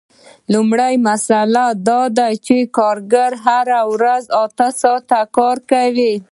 لومړۍ مسئله دا ده چې کارګر هره ورځ اته ساعته کار کوي